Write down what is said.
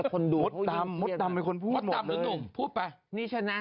มดดำมดดำเป็นคนพูดหมดเลย